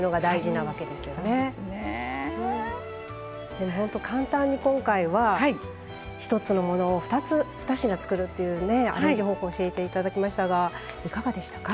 でもほんと簡単に今回は１つのものを２つ２品作るっていうねアレンジ方法教えて頂きましたがいかがでしたか？